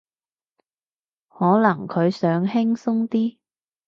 可能佢想輕鬆啲